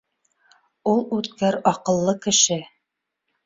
Ул үткер аҡыллы кеше